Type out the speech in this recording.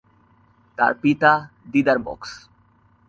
তার পিতা দিদার বক্স।